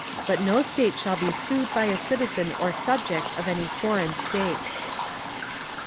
_But no State shall be sued by a citizen or subject of any foreign state.